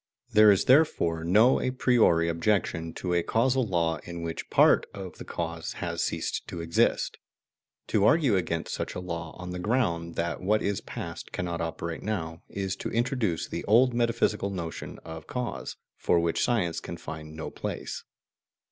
There is therefore no a priori objection to a causal law in which part of the cause has ceased to exist. To argue against such a law on the ground that what is past cannot operate now, is to introduce the old metaphysical notion of cause, for which science can find no place.